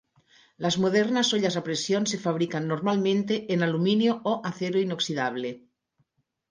Las modernas ollas a presión se fabrican normalmente en aluminio o acero inoxidable.